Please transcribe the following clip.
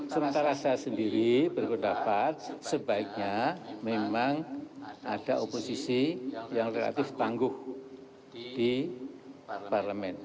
sementara saya sendiri berpendapat sebaiknya memang ada oposisi yang relatif tangguh di parlemen